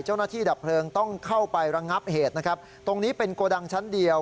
ดับเพลิงต้องเข้าไประงับเหตุนะครับตรงนี้เป็นโกดังชั้นเดียว